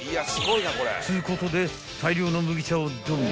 ［っつうことで大量の麦茶をドン］